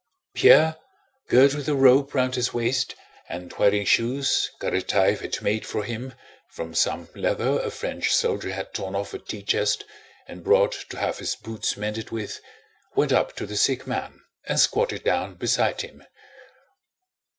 Pierre, girt with a rope round his waist and wearing shoes Karatáev had made for him from some leather a French soldier had torn off a tea chest and brought to have his boots mended with, went up to the sick man and squatted down beside him.